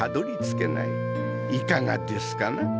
いかがですかな？